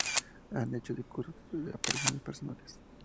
Ha hecho discursos y apariciones personales.